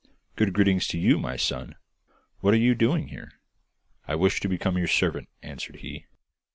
'Good greeting to you, my son! What are you doing here?' 'I wish to become your servant,' answered he.